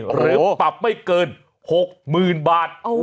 หรือปรับไม่เกิน๖หมื่นบาท